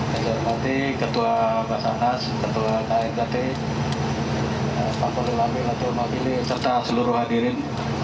yang saya hormati ketua basarnas ketua kmkt pak poliwami latul magili serta seluruh hadirin